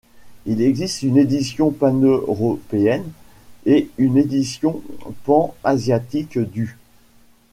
Il existe une édition paneuropéenne et une édition pan-asiatique du '.